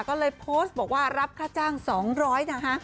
ก็เลยโพสต์บอกว่ารับค่าจ้างสองร้อยน่ะฮะ